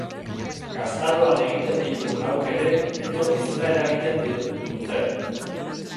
Gaztaroan egiten ditugun aukerek etorkizuna eragiten dute.